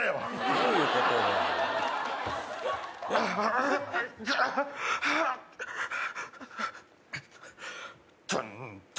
どういうことだ。